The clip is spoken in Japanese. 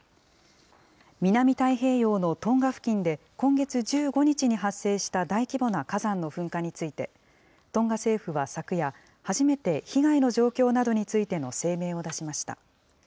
南太平洋のトンガ付近で、今月１５日に発生した大規模な火山の噴火について、トンガ政府は昨夜、初めて被害の状況などについての声明を出しました。